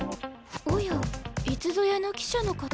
おやいつぞやの記者の方。